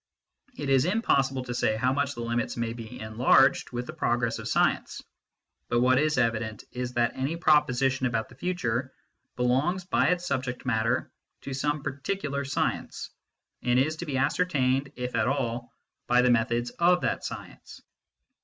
It is impossible to say how much the limits may be en larged with the progress of science. But what is evident is that any proposition about the future belongs by its subject matter to some particular science, and is to be ascertained/ if at all, by the methods of that science.